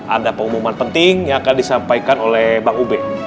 ada pengumuman penting yang akan disampaikan oleh bang ube